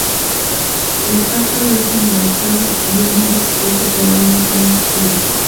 El párpado es anaranjado y el iris es de color marrón oscuro.